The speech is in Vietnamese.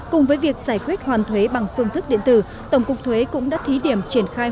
cùng với việc giải quyết hoàn thuế bằng phương thức điện tử tổng cục thuế cũng đã thí điểm triển khai